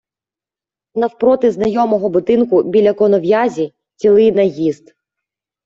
Навпроти знайомого будинку біля конов'язі - цілий наїзд.